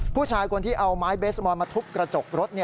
ผู้ชายคนที่เอาไม้เบสมอนมาทุบกระจกรถ